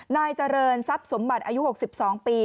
นายเจริญทรัพย์สมบัติอายุ๖๒ปี